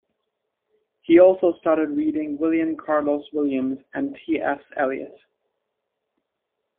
He also started reading William Carlos Williams and T. S. Eliot.